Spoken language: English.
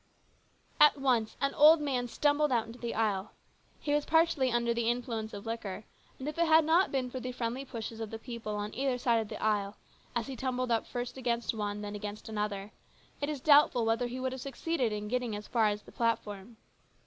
At once an old man stumbled out into the aisle. He was partly under the influence of liquor, and if it had not been for the friendly pushes of the people on either side of the aisle, as he tumbled up first against one, then against another, it is doubtful whether he would have succeeded in getting as far as the platform.